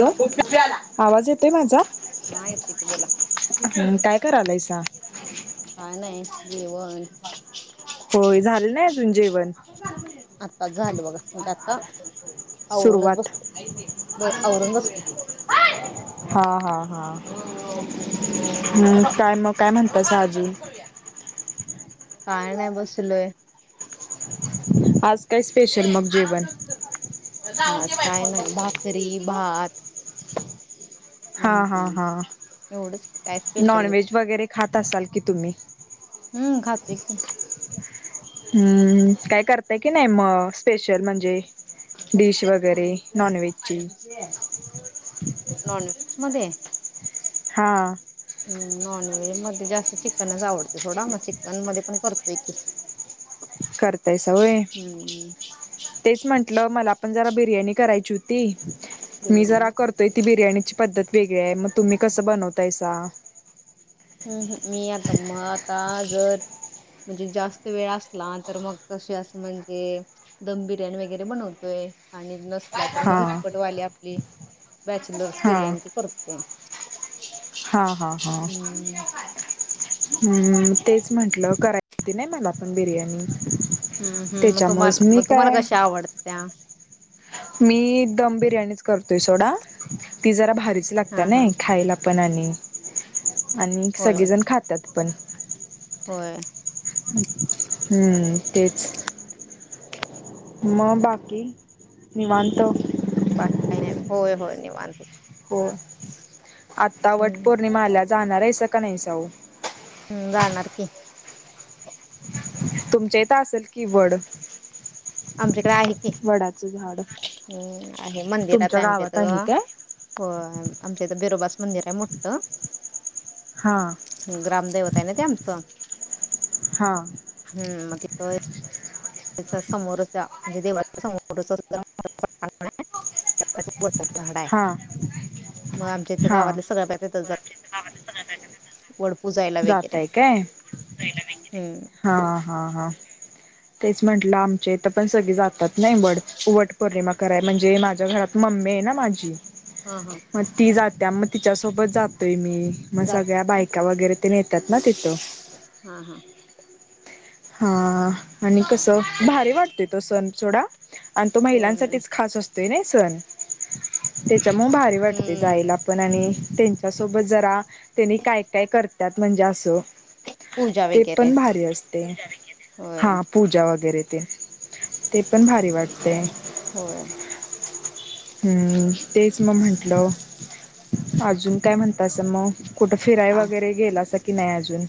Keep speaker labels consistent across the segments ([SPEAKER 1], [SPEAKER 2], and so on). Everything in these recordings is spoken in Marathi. [SPEAKER 1] हॅलो आवाज येतोय? माझा
[SPEAKER 2] हा येते की बोला
[SPEAKER 1] काय करायलायस ता
[SPEAKER 2] काय नाही जेवण
[SPEAKER 1] होय झालं नाही अजून जेवण
[SPEAKER 2] आताच झालं बघा म्हणजे का?
[SPEAKER 1] सुरुवात
[SPEAKER 2] आवरून बसलो
[SPEAKER 1] हा हा हा हम् काय मग काय म्हणतासा आजी
[SPEAKER 2] काय नाही बसलोय
[SPEAKER 1] आज काय स् पेशल मग जेवन
[SPEAKER 2] हा काय नाही [unintelligible]
[SPEAKER 1] हा
[SPEAKER 2] एवढं काय स्पेशल
[SPEAKER 1] नॉनव्हेज वगैरे खात असाल की तुम्ही
[SPEAKER 2] हम्म खातो की
[SPEAKER 1] हम्म काय करताय की नाही म स्पेशल म्हणजे डिश वगैरे नॉन व्हेजची.
[SPEAKER 2] नॉन व्हेज मध्ये?
[SPEAKER 1] हा
[SPEAKER 2] हम् नॉनव्हेज मध्ये जास्त चिकनच आवडतं सोडा मग चिकन मध्ये पण करतोय की.
[SPEAKER 1] करतायसा होय
[SPEAKER 2] हम्म
[SPEAKER 1] तेच म्हंटलं मला पण जरा बिर्यानी करायची होती मी
[SPEAKER 2] बिर्याणी
[SPEAKER 1] जरा करतोय ती बिर्याणीची पद्धत वेगळी आहे मग तुम्ही कसं बनवतायसा
[SPEAKER 2] हम्म हम मी आता मग आता जर म्हणजे जास्त वेळ असला तर मग कशी अस म्हणजे दम बिर्याणी वगैरे बनवतोय आणि नसला तर
[SPEAKER 1] हा
[SPEAKER 2] मग झटपटवाली आपली बॅचलर्स
[SPEAKER 1] हा
[SPEAKER 2] बिर्याणी करतोय.
[SPEAKER 1] हा हा हा
[SPEAKER 2] हम्म
[SPEAKER 1] हम्म तेच म्हटलं कराय येती ना मला पण बिर्याणी
[SPEAKER 2] हम्म हम् मग तुम्हा
[SPEAKER 1] त्याच्यामुळेच मी
[SPEAKER 2] तुम्हाला
[SPEAKER 1] काय
[SPEAKER 2] कशा आवडत्या?
[SPEAKER 1] मी दम बिर्याणीच करतोय सोडा. ती जरा भा रीच लागत्या
[SPEAKER 2] हा हा
[SPEAKER 1] नही खायला पण आणी. आणि
[SPEAKER 2] होय होय
[SPEAKER 1] सगळेजण खात्यात. पण.
[SPEAKER 2] होय.
[SPEAKER 1] हम्म तेच. मग बाकी निवांत?
[SPEAKER 2] बाकी काय नाही. होय होय निवांत.
[SPEAKER 1] हो आता वट पौर्णिमा आल्या. जाणार आहेस का नाहीसा ओ?
[SPEAKER 2] हम्म जाणार की.
[SPEAKER 1] तुमच्या इथं असेल की वड.
[SPEAKER 2] आमच्याकडे आहे कि
[SPEAKER 1] वडाचं झाड
[SPEAKER 2] हम् आहे मंदिरात
[SPEAKER 1] तुमच्या
[SPEAKER 2] आहे आमच्या
[SPEAKER 1] गावात
[SPEAKER 2] इथं
[SPEAKER 1] काय
[SPEAKER 2] होय आमच्या इथं बिरोबाच मंदिर आहे मोठ
[SPEAKER 1] हा
[SPEAKER 2] ग्रामदेवता आहे. ना ते आमचं.
[SPEAKER 1] हा
[SPEAKER 2] हम्म [unintelligible] त्या समोरचा म्हणजे देवाच्या समोरच [inaudible] मोठ झाड आहे.
[SPEAKER 1] हा
[SPEAKER 2] मग आमच्या इथलं
[SPEAKER 1] हा
[SPEAKER 2] गावातल्या सगळ्या बायका तिथंच जातात. वड पुजायला वगैरे
[SPEAKER 1] जातय काय
[SPEAKER 2] हम्म
[SPEAKER 1] हा हा हा. तेच म्हंटलं आमच्या इथ पण सगळे जातात नाही वड वट पौर्णिमा कराय म्हणजे माझ्या घरात मम्मी आहे ना माझी.
[SPEAKER 2] हा हा
[SPEAKER 1] मग ती जात्या त मग तिच्यासोबत जातोय मी. मग सगळ्या
[SPEAKER 2] जाता का?
[SPEAKER 1] बायका वगैरे येतात ना तिथं.
[SPEAKER 2] हा हा
[SPEAKER 1] हा आणि कस भारी वाटते तो सण सोडा. आणि तो
[SPEAKER 2] होय
[SPEAKER 1] महिलांसाठीच खास असतो. ते नाही सन ते च्या मूळ भारी वाटते
[SPEAKER 2] हम्म
[SPEAKER 1] जायला पण आणि त्यांच्यासोबत जरा त्यांनी काय काय करतात म्हणजे असं
[SPEAKER 2] पूजा
[SPEAKER 1] ते
[SPEAKER 2] वगैरे.
[SPEAKER 1] पण भारी असते
[SPEAKER 2] होय
[SPEAKER 1] हा पूजा. वगैरे ते. ते पण भारी वाटते.
[SPEAKER 2] होय
[SPEAKER 1] हम्म तेच मग म्हंटलं अजून काय म्हणतासा मग कुठं फिराय
[SPEAKER 2] आ
[SPEAKER 1] वगैरे गेलासा की की नाय अजून?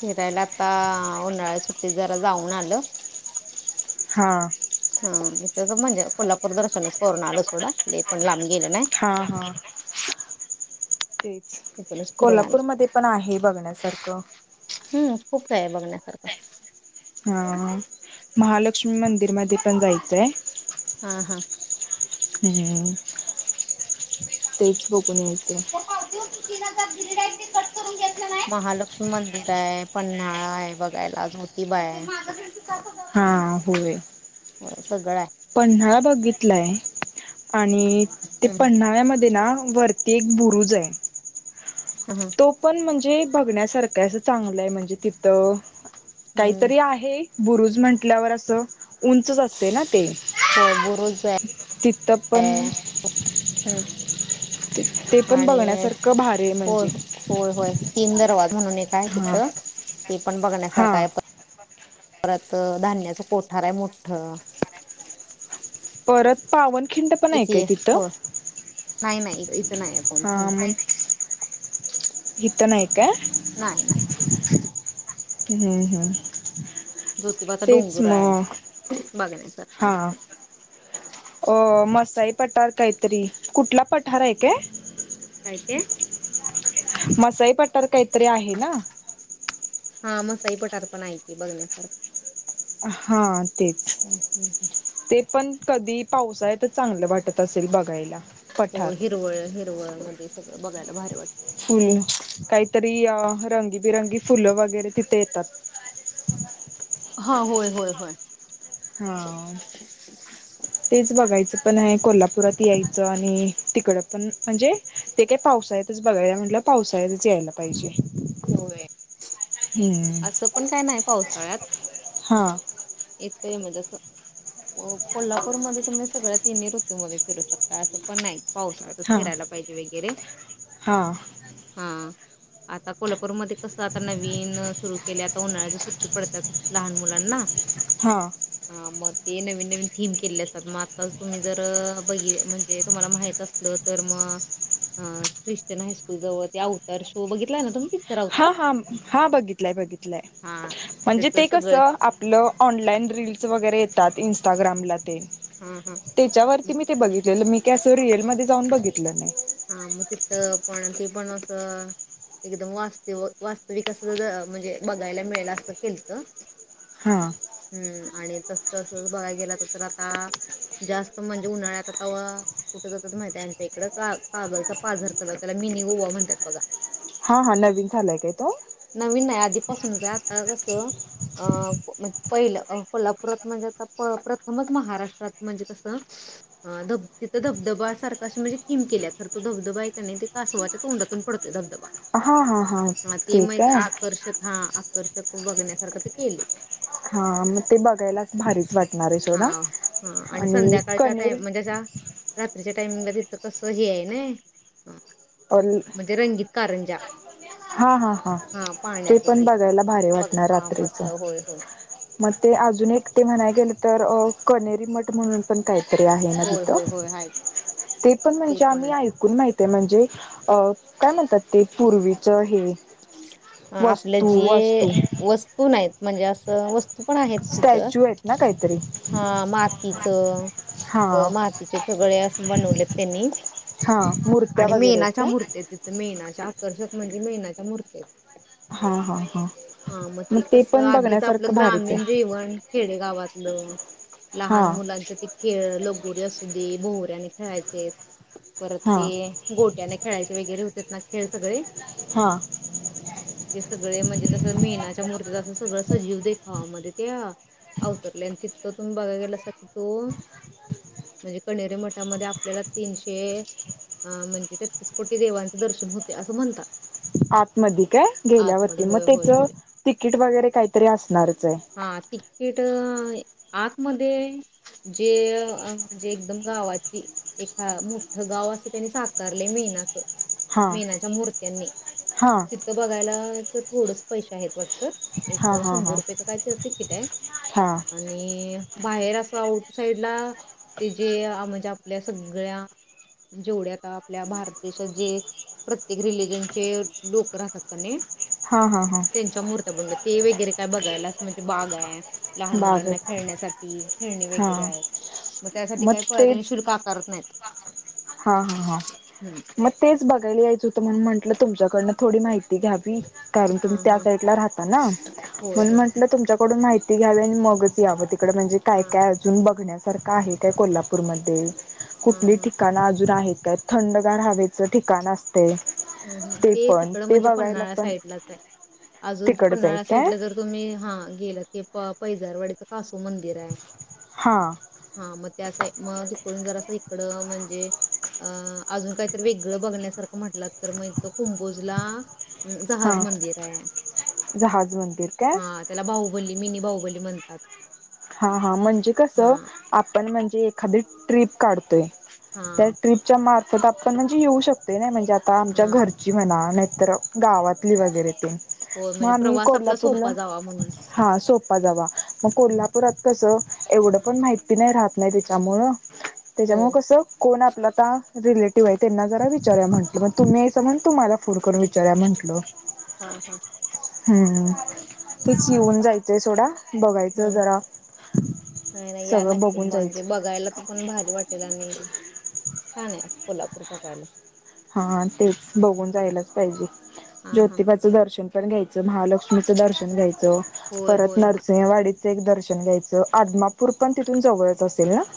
[SPEAKER 2] फिरायला आता, उन्हाळ्या सु्टीत, जरा जाऊन आलं.
[SPEAKER 1] हा
[SPEAKER 2] हा इथ तर म्हणजे, कोल्हापूर दर्शनच करून आलो सोडा, लय पण लांब गेलं नाही
[SPEAKER 1] हा, हा क
[SPEAKER 2] तिथूनच
[SPEAKER 1] [unintelligible]
[SPEAKER 2] फिरून आले
[SPEAKER 1] कोल्हापूरमध्ये पण आहे बघण्यासारखं.
[SPEAKER 2] हम्म खूप काय आहे बघण्यासारखं?
[SPEAKER 1] हा, महालक्ष्मी मंदिरमध्ये पण जायचंय.
[SPEAKER 2] हा, हा
[SPEAKER 1] हम्म, तेच बघून यायचंय.
[SPEAKER 2] महालक्ष्मी मंदिर हाय, पन्हाळा हाय, बघायला आजून
[SPEAKER 1] ते माझं हा, होय
[SPEAKER 2] सगळं हाय
[SPEAKER 1] पन्हाळा बघितलाय, आणि ते
[SPEAKER 2] हम्म
[SPEAKER 1] पन्हाळ्यामधी ना वरती एक बुरुज हाय.
[SPEAKER 2] हा
[SPEAKER 1] तो पण, म्हणजे ते एक बघण्यासारखं हाय, असं चांगलंय म्हणजे तिथं
[SPEAKER 2] हम्म
[SPEAKER 1] काहीतरी आहे बुरुज म्हटल्यावर असं उंचच असतय ना ते
[SPEAKER 2] होय बुरुज आहे
[SPEAKER 1] तर पण,
[SPEAKER 2] हम्म
[SPEAKER 1] ते पण
[SPEAKER 2] आणि
[SPEAKER 1] बघण्यासारखं भारी हाय
[SPEAKER 2] होय
[SPEAKER 1] म्हणजे
[SPEAKER 2] होय, होय, तीन दरवाज म्हणून एक हाय
[SPEAKER 1] हा
[SPEAKER 2] तिथं आपण बघण्यासारखा
[SPEAKER 1] हा
[SPEAKER 2] हाय परत धान्याच कोठार हाय मोठं
[SPEAKER 1] परत पावन खिंड पण आहे
[SPEAKER 2] इथे
[SPEAKER 1] काय तिथं?
[SPEAKER 2] नाय आपून
[SPEAKER 1] हा मग
[SPEAKER 2] पोच
[SPEAKER 1] इथं नाय ओके [unintelligible] हम्म, हम्म
[SPEAKER 2] ज्योतिबाचा
[SPEAKER 1] तेच
[SPEAKER 2] डोंगर आहे
[SPEAKER 1] मग
[SPEAKER 2] बघण्यासारखा
[SPEAKER 1] हा अ मसाई पठार काहीतरी कुठला पठार आहे काय?
[SPEAKER 2] काय ते
[SPEAKER 1] मसाई पठार काहीतरी आहे ना
[SPEAKER 2] हा मसाई पठार पण आहे ती बघण्यासारखं
[SPEAKER 1] हा तेच
[SPEAKER 2] हम्म, हम्म.
[SPEAKER 1] ते पण कधी पावसाळ्यातच चांगलं वाटत असेल बघायला
[SPEAKER 2] हो
[SPEAKER 1] पठार
[SPEAKER 2] हिरवळ हिरवळ मध्ये सगळं बघायला भारी वाटतं
[SPEAKER 1] फुल काहीतरी रंगीबिरंगी फुलं वगैरे तिथे येतात
[SPEAKER 2] हा होय होय होय.
[SPEAKER 1] हा तेच बघायचं पण आहे कोल्हापुरात यायचं आणि तिकडं पण म्हणजे ते काय पावसाळ्यातच बघायला म्हटलं पावसाळ्यातच यायला पाहिजे.
[SPEAKER 2] होय
[SPEAKER 1] हम्म
[SPEAKER 2] असं पण काय नाही पावसाळ्यात
[SPEAKER 1] हा.
[SPEAKER 2] ते म्हणजे असं कोल्हापूरमध्ये तुम्ही सगळ्या तिन्ही ऋतूमध्ये फिरू शकता असं पण नाही.. पावसाळ्यातच
[SPEAKER 1] हा
[SPEAKER 2] फिरायला पाहिजे वगैरे,
[SPEAKER 1] हा
[SPEAKER 2] हा आता कोल्हापूरमध्ये.. कसं आता नवीन सुरू केल्या उन्हाळ्याच्या सुट्टी पडतात लहान मुलांना
[SPEAKER 1] हा
[SPEAKER 2] हा म ते नवीन नवीन थीम केले असतात मग आत्ता तुम्ही जर बघी म्हणजे तुम्हाला माहित असलं तर मग ख्रिश्चन हायस्कूल जवळ ते आउटर शो बघितलाय ना तुमी
[SPEAKER 1] ह हा बघितलाय बघितलाय
[SPEAKER 2] हा
[SPEAKER 1] म्हणजे ते
[SPEAKER 2] त्याच सगळं
[SPEAKER 1] कसं आपलं ऑनलाईन रील्स वगैरे येतात इंस्टा ग्रामलाच
[SPEAKER 2] हा हा
[SPEAKER 1] त्याच्यावरती मी ते बघितलेलं मी ते असं रियलमध्ये जाऊन बघितलं
[SPEAKER 2] हा मग तिथं पण ते पण असं एकदम वास्तव वास्तविक अस म्हणजे बघायला मिळेल असं केलतं
[SPEAKER 1] हा
[SPEAKER 2] हम्म. आणि तस तर बघाय गेला तर तर आता जास्त म्हणजे उन्हाळ्यात आता कुठे जातात माहित आहे का आमच्या इकडं का. कागलचा पाझर कलर त्याला मिनी गोवा म्हणतात बघा?
[SPEAKER 1] हा हा नवीन झालंय तो का?
[SPEAKER 2] नवीन नाही आधीपासूनच आहे आता कसं अ पहिलं कोल्हापुरात म्हणजे आता प प्रथमच महाराष्ट्रात म्हणजे कसं धब तिथं धबधब सारखं असे म्हणजे थीम केल्यात. तर तो धबधबा आहे की नाय ते कासवाच्या तोंडातून पडते धबधबा.
[SPEAKER 1] हा हा हा
[SPEAKER 2] हां
[SPEAKER 1] ते
[SPEAKER 2] मग एक
[SPEAKER 1] काय.
[SPEAKER 2] आकर्षक [inaudible]
[SPEAKER 1] हा मगं ते बघायलाच भारीच वाटते नारी सोडा
[SPEAKER 2] हां हां
[SPEAKER 1] आणि कनिरी.
[SPEAKER 2] ञीच्या टाइमिंगला तिथं कसं हे हाय नय ह म्हणजे रंगीत कारंजा
[SPEAKER 1] हा हा हा
[SPEAKER 2] हां
[SPEAKER 1] ते
[SPEAKER 2] पाण्याचं
[SPEAKER 1] पण बघायला भारी
[SPEAKER 2] बघ
[SPEAKER 1] वाटणार
[SPEAKER 2] हां
[SPEAKER 1] रात्रीच
[SPEAKER 2] मस्त होय होय.
[SPEAKER 1] मगं ते अजून एक ते म्हणाय गेल तर कणेरी मठ म्हणून पण काय आहे ना
[SPEAKER 2] होय
[SPEAKER 1] तिथ
[SPEAKER 2] होय होय आहेत
[SPEAKER 1] ते पण म्हणजे आम्ही ऐकून माही ते म्हणजे अ काय म्हणतात ते पूर्वी [inaudible]
[SPEAKER 2] आ आपलं जे
[SPEAKER 1] वस्तू
[SPEAKER 2] वस्तू नाहीत. म्हणजे असं वस्त तू पण आहेत तिथं.
[SPEAKER 1] स्टॅच्यू आहेत ना काहीतरी
[SPEAKER 2] हा मातीचं...
[SPEAKER 1] हा
[SPEAKER 2] अं, मातीचे सगळेच असं बनवलेत त्यांनी.
[SPEAKER 1] हा मूर्त्या
[SPEAKER 2] आणि
[SPEAKER 1] वगैरे आहेत
[SPEAKER 2] मेणाच्या
[SPEAKER 1] काय
[SPEAKER 2] मूर्ती आहेत तिथं, मेणाच्या कर्षक म्हणजे मेन मूर्त्या ह्यात.
[SPEAKER 1] हा हा हा
[SPEAKER 2] हा मग ते कस
[SPEAKER 1] पण
[SPEAKER 2] आधीच आपलं
[SPEAKER 1] बघण्यासारखं भारीच
[SPEAKER 2] ग्रामीण
[SPEAKER 1] आहे
[SPEAKER 2] जेवण खेडेगावात. नो,
[SPEAKER 1] हा
[SPEAKER 2] लहान मुलांच ते खेळ लो पोरी असू दे भोवऱ्याने खेळायचेत परत
[SPEAKER 1] हा
[SPEAKER 2] ते गोट्याने खेळाय वगैरे होतेत ना खेळ सगळे.
[SPEAKER 1] हा
[SPEAKER 2] हे सगळे म्हणजे तस मेनाच्या मूर्त्या जरास जीव देख आ मध्ये त्या अ अवतरले. आणि तिकं तुम्ही बघायला गेलास की, म्हणजे कणेरी मठामध्ये आपल्याला तीनसे म्हणजे कोटी देवांचे दर्शन होते, असं म्हणतात.
[SPEAKER 1] आतमध्ये काय गेल्यावरती
[SPEAKER 2] आतमध्ये
[SPEAKER 1] मग
[SPEAKER 2] होय होय
[SPEAKER 1] त्याच
[SPEAKER 2] होय
[SPEAKER 1] तिकीट वगैरे काहीतरी असणारच आहे.
[SPEAKER 2] हा तिकीट आतमध्ये जे म्हणजे एकदम गावाची एखा मोठं गाव असं त्यानी साकारलय मेनात
[SPEAKER 1] हा
[SPEAKER 2] मेनाच्या मूर्त्यांनी
[SPEAKER 1] हा
[SPEAKER 2] तिथं बघायला तर थोडंस पैसे आहेत वाट
[SPEAKER 1] हां-हां-हां.
[SPEAKER 2] त्याच काय तरी तिकिट हाय आणि बाहेर असं आउटसाईडला ते जे, म्हणजे आपल्या सगळ्या जेवढ्या आता आपल्या भारत देशात जे प्रत्येक रिलिजनचे लोक राहतात कणी
[SPEAKER 1] हां-हां-हां.
[SPEAKER 2] णल ते वगैरे काय बघ गयलास म्हणजे बाग हाय लहान मुलांना
[SPEAKER 1] बागेत
[SPEAKER 2] खेळण्यासाठी खेळणी
[SPEAKER 1] हा
[SPEAKER 2] वगैरे आहेत, मग त्यासाठी काही पळने शुल्क आकारत नाहीत.
[SPEAKER 1] हा-हा-हा
[SPEAKER 2] हम्म
[SPEAKER 1] मग तेच बघायला यायचं होतं म्हणून म्हण तुमच्याकडनं थोडी माहिती घ्यावी. कारण
[SPEAKER 2] हा
[SPEAKER 1] तुम्ही त्या
[SPEAKER 2] हा
[SPEAKER 1] साईडला राहता ना
[SPEAKER 2] होय
[SPEAKER 1] म्हणून
[SPEAKER 2] होय
[SPEAKER 1] म्हंटलं तुमच्या. थोडी माहिती घ्यावी आणि मगच यावं. म्हणजे काय
[SPEAKER 2] हा
[SPEAKER 1] काय अजून बघण्यासारखं. सारखं आहे काही कोल्हापूरमध्ये.
[SPEAKER 2] हम,
[SPEAKER 1] कुठली
[SPEAKER 2] हम.
[SPEAKER 1] ठिकाणं अजून आहे का थंडगार हवेचं ठिकाण असतं.
[SPEAKER 2] हम-हम ते तिकड म्हणजे
[SPEAKER 1] बघायला
[SPEAKER 2] पन्हाळा
[SPEAKER 1] पण
[SPEAKER 2] साईडलाच आहे. अजून ते
[SPEAKER 1] तिकडच आहे
[SPEAKER 2] पन्हाळा
[SPEAKER 1] काय
[SPEAKER 2] साईडला जर तुम्ही हा गेल हे प पैजारवाडीचं कासू मंदिर आहे.
[SPEAKER 1] हां.
[SPEAKER 2] हा मग त्या असा मग तिकडून जर असं इकड म्हणजे अ अजून काहीतरी वेगळं बघण्यासारखं म्हंटला. तर मग हित कुंभोजला. जहाज
[SPEAKER 1] हां
[SPEAKER 2] मंदिर आहे.
[SPEAKER 1] जहाज मंदिर काय
[SPEAKER 2] हा त्याला बाहुबली. मिनी बाहुबली म्हणतात.
[SPEAKER 1] हा- हा म्हणजे कस
[SPEAKER 2] हां
[SPEAKER 1] आपण म्हण. जे एखादी ट्रिप काढतोय. त्या
[SPEAKER 2] हां
[SPEAKER 1] ट्रिपच्या मा त्यात आपण म्हणजे येऊ शकतोय नाही म्हणजे आता. आता आमच्या
[SPEAKER 2] हां
[SPEAKER 1] घरची म्हणा. ना तर गावातली वगैरे ते
[SPEAKER 2] होय
[SPEAKER 1] मग
[SPEAKER 2] म्हणजे
[SPEAKER 1] आम्ही
[SPEAKER 2] प्रवास आपला
[SPEAKER 1] कोल्हापूरला
[SPEAKER 2] सोपा जावा म्हणून
[SPEAKER 1] हा सोपा जावा, मग
[SPEAKER 2] हम्म.
[SPEAKER 1] कोल्हा परत कसं एवढं पण माहिती नाही राहत नाही त्याच्यामुळं
[SPEAKER 2] हो
[SPEAKER 1] त्याच्यामुळे कसं कोण आता रिलेटिव्ह आहे त्यांना जरा विचारूया म्हटलं. मग तुम्ही आहेसं म्हणून तुम्हाला. फोन करून विचारूया म्हटलं.
[SPEAKER 2] हां हां
[SPEAKER 1] हम् तेच येऊन जायचंय सोडा. बघायचं
[SPEAKER 2] हां
[SPEAKER 1] जरा.
[SPEAKER 2] नाही नाही या
[SPEAKER 1] सगळं
[SPEAKER 2] नक्की
[SPEAKER 1] बघून
[SPEAKER 2] म्हणजे
[SPEAKER 1] जायचं
[SPEAKER 2] बघायला ते पण भारी वाटेल आणि छान आहे कोल्हापूर बघायला.
[SPEAKER 1] हा तेच बघून जायलाचं पाहिजे.
[SPEAKER 2] हां हां
[SPEAKER 1] ज्योतिबाचं दर्शन. घ्यायचं. महालक्ष्मींच दर्शन घ्यायचं
[SPEAKER 2] होय
[SPEAKER 1] परत
[SPEAKER 2] होय होय
[SPEAKER 1] नृसिंहवाडी एक दर्शन घ्यायचं आदमापूर पण तिथून जवळ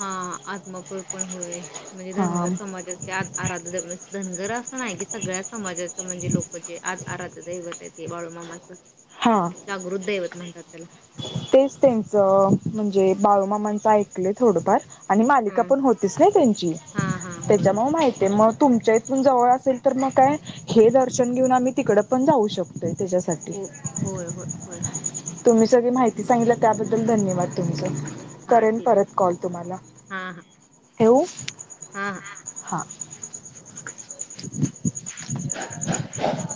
[SPEAKER 2] हा आत्मापूर पण होय. म्हणजे
[SPEAKER 1] हा
[SPEAKER 2] धनगर समाजाचे आराध धनगर अस नाही की सगळ्या समाजाच म्हणजे लोक जे आराधध्य दैवत आहे ते बाळूमामाचं
[SPEAKER 1] हा
[SPEAKER 2] जागृत दैवत म्हणतात त्याला
[SPEAKER 1] तेच त्येच अ म्हणजे बाळुमामा चं ऐकले थोडफार आणि मालिका
[SPEAKER 2] हां
[SPEAKER 1] पण होतीच ने त्यांची
[SPEAKER 2] हां हां होय
[SPEAKER 1] त्याच्यामुळ माहिती आहे मग तुमच्या इथून जवळ असेल तर मग काय हे दर्शन घेऊन आम्ही तिकडं पण जाऊ शकतोय त्याच्यासाठी
[SPEAKER 2] हो होय हो होय.
[SPEAKER 1] तुम्ही सगळी माहिती सांगलं त्याबद्दल धन्यवाद तुमचां
[SPEAKER 2] हां
[SPEAKER 1] करेन
[SPEAKER 2] ठीक
[SPEAKER 1] परत कॉल तुम्हाला होवऊ.
[SPEAKER 2] हा ह.
[SPEAKER 1] हा. [inaudible]